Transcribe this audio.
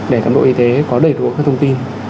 để cán bộ y tế có đầy đủ các thông tin